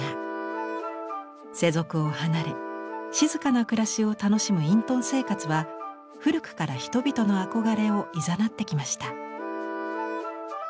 世俗を離れ静かな暮らしを楽しむ隠遁生活は古くから人々の憧れをいざなってきました。